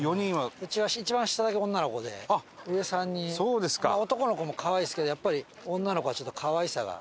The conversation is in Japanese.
うちは一番下だけ女の子で上３人男の子も可愛いですけどやっぱり女の子はちょっと可愛さが。